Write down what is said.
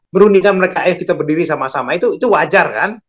berundingan mereka ayo kita berdiri sama sama itu wajar kan